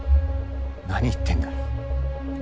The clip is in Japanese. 何言ってんだよ。